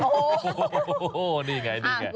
โอ้โฮนี่ไง